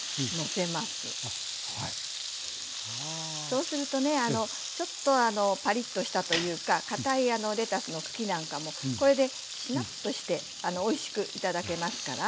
そうするとねちょっとパリッとしたというかかたいレタスの茎なんかもこれでしなっとしておいしく頂けますから。